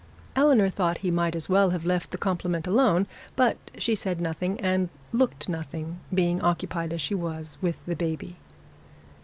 Eleanor thought he might as well have left the compliment alone; but she said nothing and looked nothing, being occupied as she was with the baby.